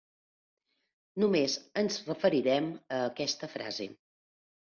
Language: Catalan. Només ens referirem a aquesta frase.